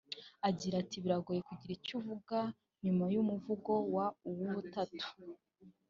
Agira ati “Biragoye kugira icyo uvuga nyuma y’umuvugo wa Uwubutatu